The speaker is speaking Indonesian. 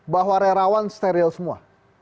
bahwa relawan steril semua